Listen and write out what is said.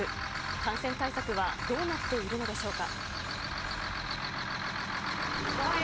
感染対策はどうなっているのでしょうか。